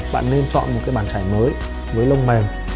bạn nên chọn một cái bàn trải mới với lông mềm